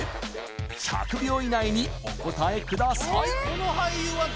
１００秒以内にお答えください